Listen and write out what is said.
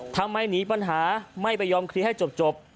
ทำไมหนีปัญหาไม่ไปยอมเคลียร์ให้จบ